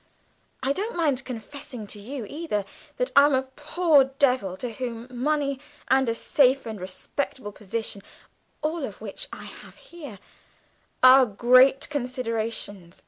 I don't mind confessing to you, either, that I'm a poor devil to whom money and a safe and respectable position (all of which I have here) are great considerations.